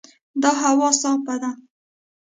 دا هوا صافه ده.